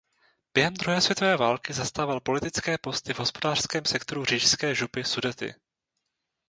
Během druhé světové války zastával politické posty v hospodářském sektoru Říšské župy Sudety.